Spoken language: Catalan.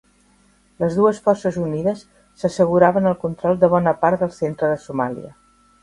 Les dues forces unides s'asseguraven el control de bona part del centre de Somàlia.